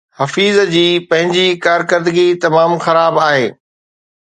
حفيظ جي پنهنجي ڪارڪردگي تمام خراب آهي